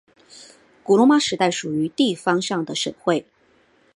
古罗马时代属于地方上的省会。